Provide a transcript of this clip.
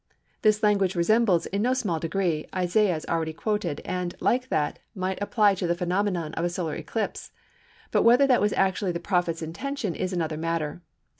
This language resembles, in no small degree, Isaiah's, already quoted, and, like that, might apply to the phenomenon of a solar eclipse, but whether that was actually the prophet's intention is another matter.